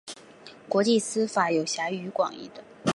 国际私法有狭义与广义的。